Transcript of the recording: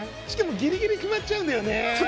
ギリギリ決まっちゃうんだよね。